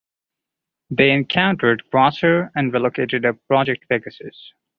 They encountered Quasar, and relocated to Project Pegasus.